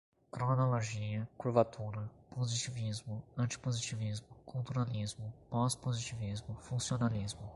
cronologia, curvatura, positivismo, antipositivismo, culturalismo, pós-positivismo, funcionalismo